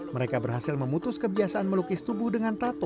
mereka berhasil memutus kebiasaan melukis tubuh dengan tato